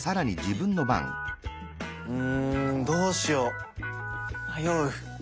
うんどうしよう迷う。